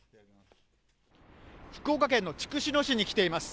福岡県の筑紫野市に来ています。